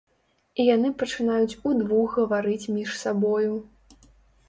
І яны пачынаюць удвух гаварыць між сабою.